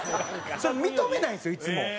それ認めないんですよ、いつも。